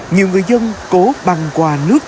nhiều người dân cố băng qua nước